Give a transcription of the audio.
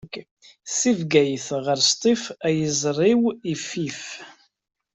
Si Bgayet ɣer Sṭif, ay iẓri-w ifif!